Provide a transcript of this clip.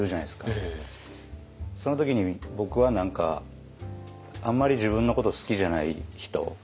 その時に僕は何かあんまり自分のこと好きじゃない人。